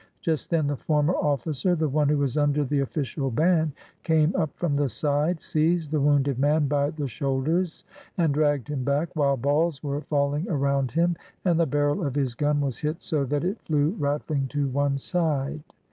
Just then the former officer, the one who was under the official ban, came up from the side, seized the wounded man by the shoul ders, and dragged him back, while balls were faUing around him and the barrel of his gun was hit so that it flew rattling to one side.